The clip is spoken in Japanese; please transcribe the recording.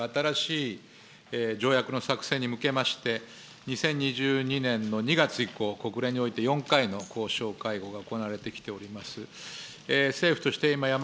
このサイバー犯罪に関する新しい条約の作成に向けまして、２０２２年の２月以降、国連において４回の交渉会合が行われてきております。